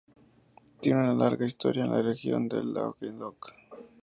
Tiene una larga historia en la región de Languedoc.